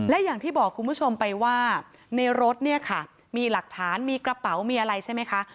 และอย่างที่บอกคุณผู้ชมไปว่าในรถเนี่ยค่ะมีหลักฐานมีกระเป๋ามีอะไรใช่ไหมคะ